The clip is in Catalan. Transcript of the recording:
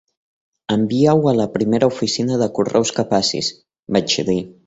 "Envia-ho a la primera oficina de correus que passis", vaig dir.